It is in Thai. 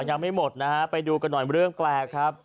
ยังไม่หมดนะฮะไปดูกันหน่อยเรื่องแปลกครับ